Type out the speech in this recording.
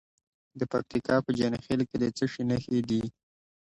د پکتیکا په جاني خیل کې د څه شي نښې دي؟